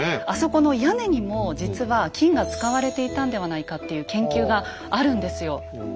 あそこの屋根にも実は金が使われていたんではないかっていう研究があるんですよ。